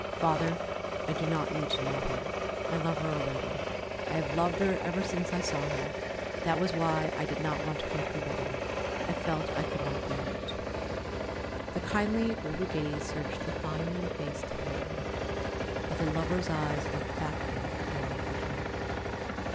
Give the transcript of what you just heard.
"Father, I do not need to know her. I love her already. I have loved her ever since I saw her. That was why I did not want to come to the wedding. I felt that I could not bear it." The kindly older gaze searched the fine young face tenderly, but the lover's eyes looked back at him and wavered not.